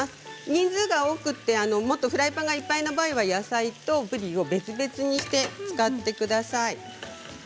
人数が多くてもっとフライパンがいっぱいの場合は野菜とぶりを別々にして使ってください。